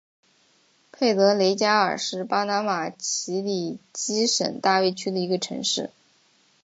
佩德雷加尔是巴拿马奇里基省大卫区的一个城市。